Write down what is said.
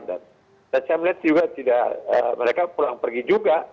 dan saya melihat juga tidak mereka pulang pergi juga